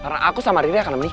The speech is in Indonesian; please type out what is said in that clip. karena aku sama riru akan menikah